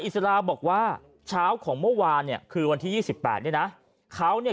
อิสราบอกว่าเช้าของเมื่อวานเนี่ยคือวันที่๒๘นี้นะเขาเนี่ย